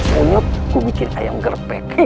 punyok gue bikin ayam gerpek